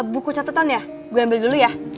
buku catatan ya gue ambil dulu ya